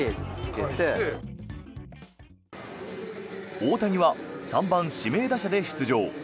大谷は３番指名打者で出場。